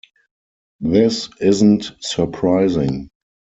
This isn't surprising.